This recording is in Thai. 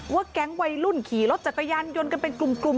แก๊งวัยรุ่นขี่รถจักรยานยนต์กันเป็นกลุ่ม